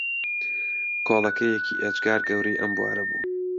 کۆڵەکەیەکی ئێجگار گەورەی ئەم بوارە بوو